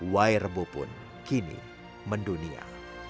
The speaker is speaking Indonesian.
wairebo pun kini mendunia